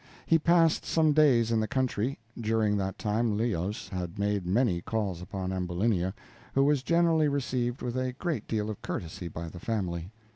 He passed some days in the country. During that time Leos had made many calls upon Ambulinia, who was generally received with a great deal of courtesy by the family.